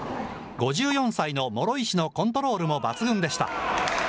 ５４歳の諸石のコントロールも抜群でした。